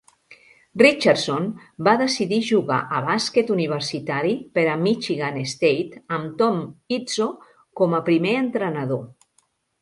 Richardson va decidir jugar a bàsquet universitari per a Michigan State amb Tom Izzo com a primer entrenador.